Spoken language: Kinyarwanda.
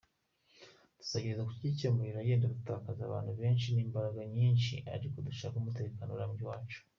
Tuzagerageza kukikemurira, yenda tuzatakaza abantu benshi n’imbaraga nyinshi ariko dushake umutekano urambye iwacu.